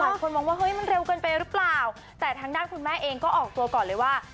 บางคนมองว่าเฮ้ยมันเร็วเกินไปหรือเปล่าแต่ทางด้านคุณแม่เองก็ออกตัวก่อนเลยว่า